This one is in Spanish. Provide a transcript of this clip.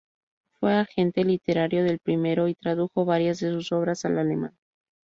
Fue agente literario del primero y tradujo varias de sus obras al alemán.